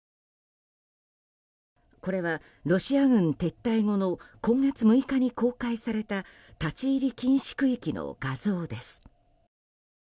これはロシア軍撤退後の今月６日に公開された立ち入り禁止区域の画像です。